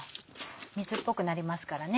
水っぽくなりますからね